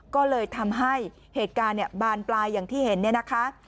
ก็เลยทำให้เหตุการณ์บานปลายอย่างที่เห็นเนี่ยนะคะ